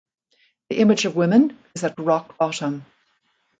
The image of women is at rock bottom.